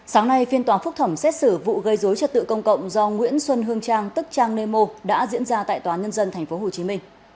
sáng nay phiên tòa phúc thẩm xét xử vụ gây dối trật tự công cộng do nguyễn xuân hương trang tức trang nemo đã diễn ra tại tòa nhân dân tp hcm